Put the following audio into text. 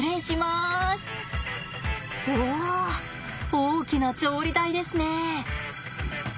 大きな調理台ですね。